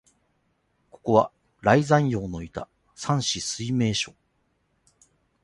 ここは、頼山陽のいた山紫水明処、